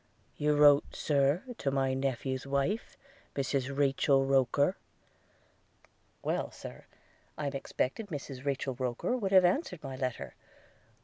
'You wrote, Sir, to my nephew's wife, Mrs Rachel Roker –' 'Well, Sir, and I expected Mrs Rachel Roker would have answered my letter.'